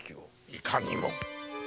いかにも。